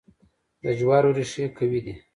د جوارو ریښې قوي دي.